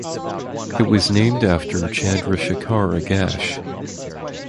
It was named after Chandrashekhar Agashe.